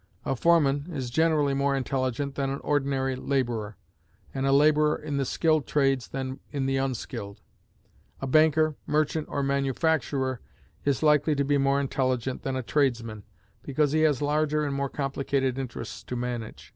A foreman is generally more intelligent than an ordinary laborer, and a laborer in the skilled trades than in the unskilled. A banker, merchant, or manufacturer is likely to be more intelligent than a tradesman, because he has larger and more complicated interests to manage.